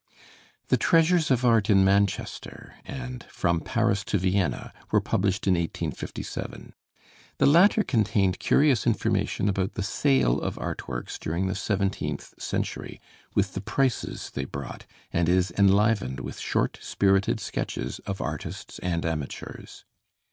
The 'Treasures of Art in Manchester,' and 'From Paris to Vienna,' were published in 1857. The latter contained curious information about the sale of art works during the seventeenth century, with the prices they brought, and is enlivened with short spirited sketches of artists and amateurs.